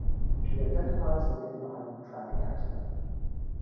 She identifies the man behind the traffic accident.